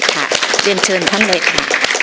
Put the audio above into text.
เบียนเชิญทั้งเลยค่ะ